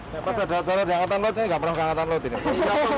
ya pas ada acara di angkatan laut ini nggak pernah ke angkatan laut ini